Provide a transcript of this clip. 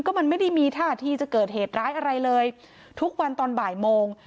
ก็มันไม่ได้มีท่าที่จะเกิดเหตุร้ายอะไรเลยทุกวันตอนบ่ายโมง